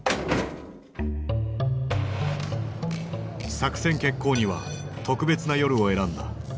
作戦決行には特別な夜を選んだ。